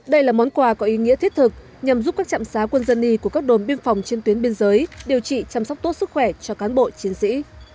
đây là món quà có ý nghĩa thiết thực nhằm giúp các trạm xá quân dân y của các đồn biên phòng trên tuyến biên giới điều trị chăm sóc tốt sức khỏe cho cán bộ chiến sĩ